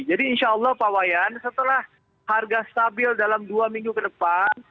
jadi insya allah pak wayan setelah harga stabil dalam dua minggu ke depan